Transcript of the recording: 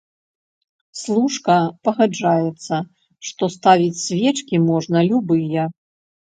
Служка пагаджаецца, што ставіць свечкі можна любыя!